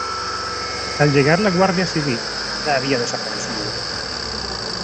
Al llegar la Guardia Civil ya había desaparecido.